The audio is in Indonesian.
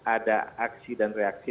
ada aksi dan reaksi